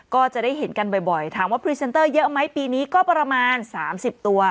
ก็จะได้เห็นกันบ่อยถามว่าพรีเซนเตอร์เยอะไหมปีนี้ก็ประมาณ๓๐ตัว